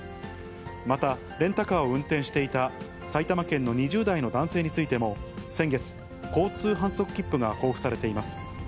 また、レンタカーを運転していた埼玉県の２０代の男性についても、先月、交通反則切符が交付されています。